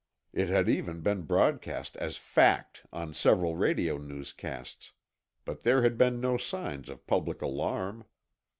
It had even been broadcast as fact on several radio newscasts. But there had been no signs of public alarm.